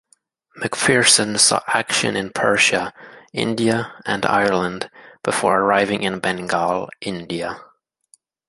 McPherson saw action in Persia, India and Ireland before arriving in Bengal, India.